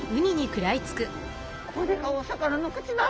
これがお魚の口なの？